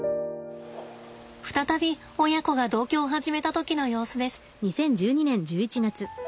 再び親子が同居を始めた時の様子です。